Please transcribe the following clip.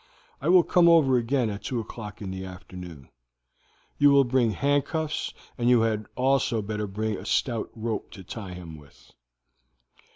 I will come over again at two o'clock in the afternoon. You will bring handcuffs, and you had better also bring a stout rope to tie him with."